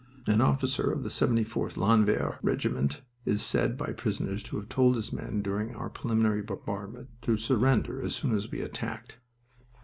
An officer of the 74th Landwehr Regiment is said by prisoners to have told his men during our preliminary bombardment to surrender as soon as we attacked.